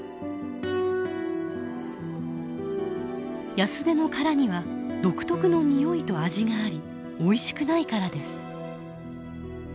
ヤスデの殻には独特のにおいと味がありおいしくないからです。